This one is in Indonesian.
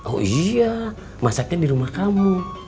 oh iya masaknya di rumah kamu